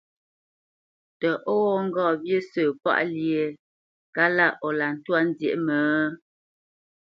Tə ó ghó ŋgá wyé sə̂ páʼ lyé kalá o lǎ ntwá nzyěʼ mə?